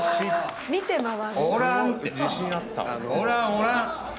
おらんて。